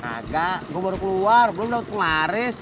gak gue baru keluar belum udah kemaris